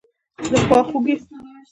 دخوا خوګۍ